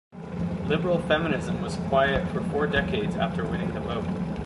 Liberal feminism was quiet for four decades after winning the vote.